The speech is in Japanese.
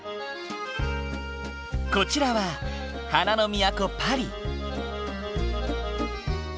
こちらは花の都パリ。